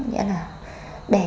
nghĩa là bè